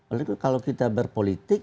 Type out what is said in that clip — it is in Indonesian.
oleh kalau kita berpolitik